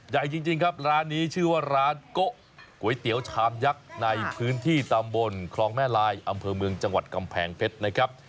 ใหญ่จริงครับร้านนี้ชื่อว่าร้านโกะก๋วยเตี๋ยวชามยักษ์ในพื้นที่ตำบลคลองแม่ลายอำเภอเมืองจังหวัดกำแพงเพชรนะครับ